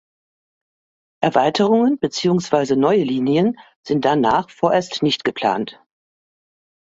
Erweiterungen beziehungsweise neue Linien sind danach vorerst nicht geplant.